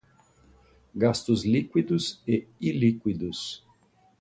Gastos líquidos e ilíquidos